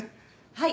はい。